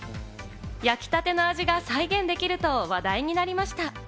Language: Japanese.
焼きたての味が再現できると話題になりました。